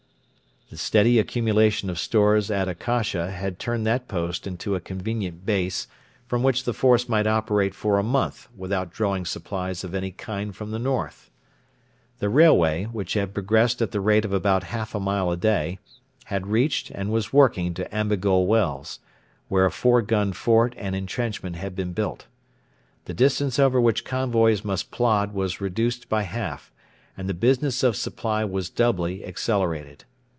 The steady accumulation of stores at Akasha had turned that post into a convenient base from which the force might operate for a month without drawing supplies of any kind from the north. The railway, which had progressed at the rate of about half a mile a day, had reached and was working to Ambigole Wells, where a four gun fort and entrenchment had been built. The distance over which convoys must plod was reduced by half, and the business of supply was doubly accelerated.